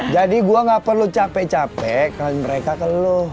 jadi gue ga perlu capek capek ngasih mereka ke lu